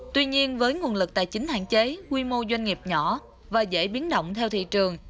tuy nhiên với nguồn lực tài chính hạn chế quy mô doanh nghiệp nhỏ và dễ biến động theo thị trường